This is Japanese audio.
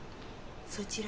そちら